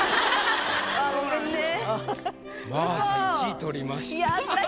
１位取りました。